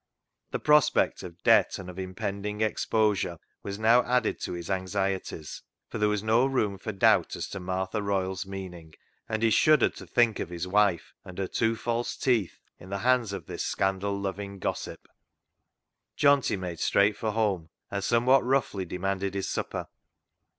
The prospect of debt and of impending exposure was now added to his anxieties, for there was no room for doubt as to Martha Royle's meaning, and he shuddered to think of his wife and her two false teeth in the hands of this scandal loving gossip. Johnty made straight for home, and some what roughly demanded his supper.